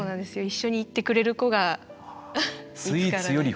一緒に行ってくれる子が見つからない。